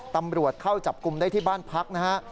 ตำรวจเข้าจับกลุ่มได้ที่บ้านพักนะฮะ